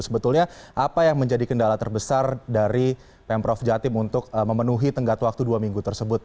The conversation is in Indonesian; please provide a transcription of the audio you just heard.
sebetulnya apa yang menjadi kendala terbesar dari pemprov jatim untuk memenuhi tenggat waktu dua minggu tersebut